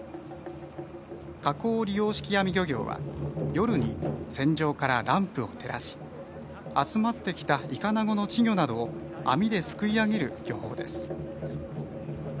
火光利用敷網漁業は夜に船上からランプを照らし集まってきたイカナゴの稚魚などを網ですくい上げる漁法です。